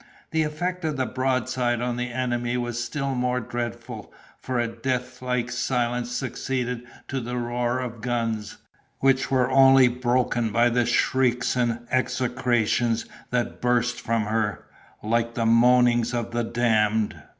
The effect of the broadside on the enemy was still more dreadful; for a deathlike silence succeeded to the roar of guns, which were only broken by the shrieks and execrations that burst from her, like the moanings of the damned.